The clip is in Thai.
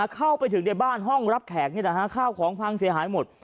เข้าไปถึงในบ้านห้องรับแขกนี่แหละฮะข้าวของพังเสียหายหมด